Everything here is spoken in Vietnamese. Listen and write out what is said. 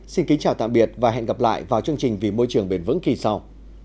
xin kính chào tạm biệt và hẹn gặp lại vào chương trình vì môi trường bền vững kỳ sau